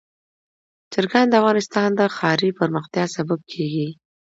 چرګان د افغانستان د ښاري پراختیا سبب کېږي.